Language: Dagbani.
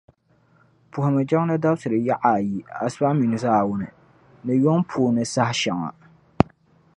Puhimi jiŋli dabsili yaɣa ayi asiba mini zaawuni, ni yuŋ puuni saha shεŋa.